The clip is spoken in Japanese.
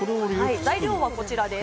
材料はこちらです。